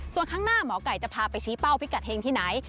ส่วนข้างหน้าหมอไก่จะพาไปชี้เป้าพิกัดเฮงที่ไหน